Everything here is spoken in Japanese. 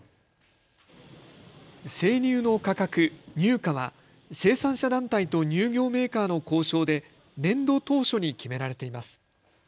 生乳の価格、乳価は生産者団体と乳業メーカーの交渉で年度当初に決められています。